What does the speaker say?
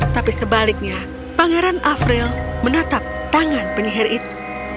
tapi sebaliknya pangeran afril menatap tangan penyihir itu